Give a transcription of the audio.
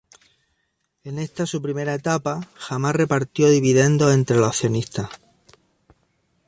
En esta su primera etapa, jamás repartió dividendos entre los accionistas.